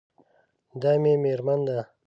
دا مې میرمن ده